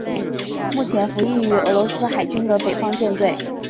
目前服役于俄罗斯海军的北方舰队。